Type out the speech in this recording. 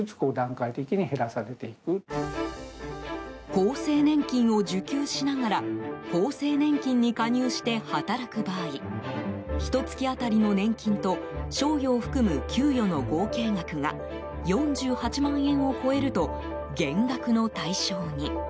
厚生年金を受給しながら厚生年金に加入して働く場合ひと月当たりの年金と賞与を含む給与の合計額が４８万円を超えると減額の対象に。